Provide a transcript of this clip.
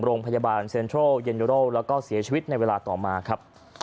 โรงพยาบาลเซ็นทรัลเย็นยุโรแล้วก็เสียชีวิตในเวลาต่อมาครับ